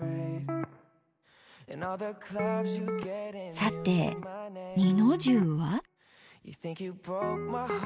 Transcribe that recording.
さて二の重は？